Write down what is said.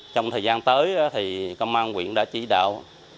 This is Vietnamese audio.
trong thời gian tới thì công an quyện đã chỉ đạo